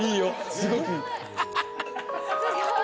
すごい。